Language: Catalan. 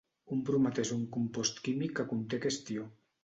Un bromat és un compost químic que conté aquest ió.